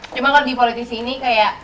cuma kalau di politisi ini kayak